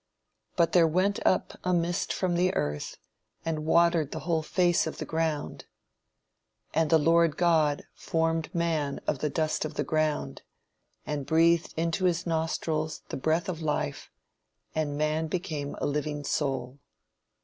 "But there went up a mist from the earth and watered the whole face of the ground. "And the Lord God formed man of the dust of the ground, and breathed into his nostrils the breath of life; and man became a living soul.